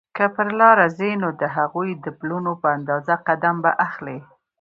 که پر لاره ځې نو د هغوی د پلونو په اندازه قدم به اخلې.